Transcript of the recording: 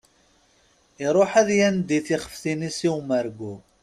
Iruḥ ad yandi tixeftin-is i umergu.